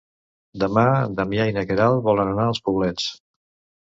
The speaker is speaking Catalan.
Demà en Damià i na Queralt volen anar als Poblets.